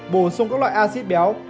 bổ sung các loại acid béo